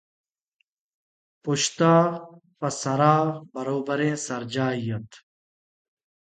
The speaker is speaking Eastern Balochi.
پشت ءَ پہ سرءَ بروبریں سرجاہے اَت